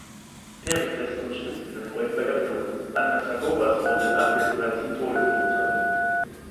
Perikles unterstützte den Freund bei der Flucht; Anaxagoras wurde in Abwesenheit zum Tode verurteilt.